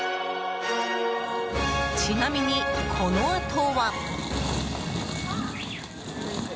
ちなみに、このあとは。